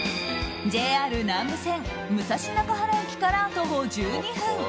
ＪＲ南武線武蔵中原駅から徒歩１２分。